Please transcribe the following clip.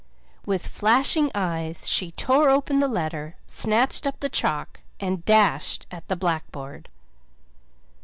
With flashing eyes she tore open the letter, snatched up the chalk, and dashed at the blackboard.